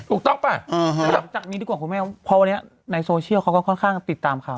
ถูกต้องป่ะจากนี้ดีกว่าคุณแม่เพราะวันนี้ในโซเชียลเขาก็ค่อนข้างติดตามข่าว